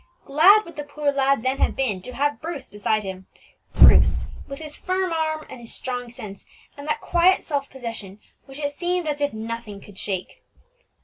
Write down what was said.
Glad would the poor lad then have been to have had Bruce beside him, Bruce with his firm arm and his strong sense, and that quiet self possession which it seemed as if nothing could shake.